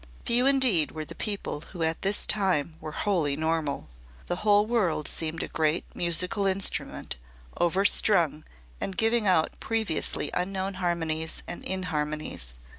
Few indeed were the people who at this time were wholly normal. The whole world seemed a great musical instrument, overstrung and giving out previously unknown harmonies and inharmonies.